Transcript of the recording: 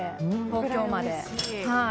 東京まで。